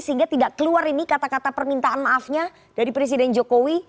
sehingga tidak keluar ini kata kata permintaan maafnya dari presiden jokowi